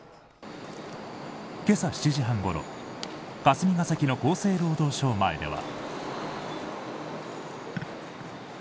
今朝７時半ごろ霞が関の厚生労働省前では。